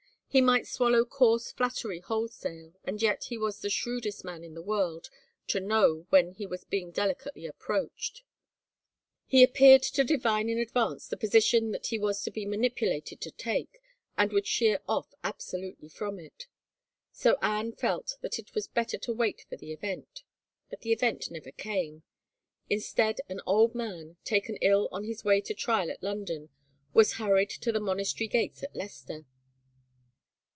He might swallow coarse flattery wholesale and yet he was the shrewdest man in the world to know when he was being delicately approached ; he appeared to divine in advance the position that he was to be manipulated to take and would sheer 232 HOPE DEFERRED oflF absolutely from it. So Anne felt that it was better to wait for the event. But the event never came. Instead an old man, taken ill on his way to trial at London, was hurried to the monastery gates at Leicester.